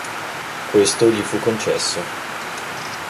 Questo gli fu concesso.